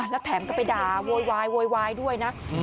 แล้วแถมก็ไปด่าโวยวายด้วยนะ